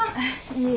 いえ。